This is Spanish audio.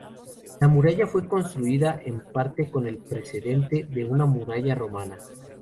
La muralla fue construida en parte con el precedente de una muralla romana.